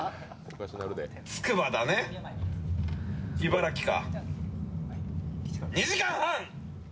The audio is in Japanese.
つくばだね、茨城か。